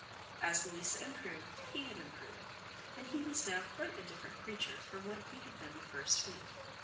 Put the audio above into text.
As Louisa improved, he had improved, and he was now quite a different creature from what he had been the first week.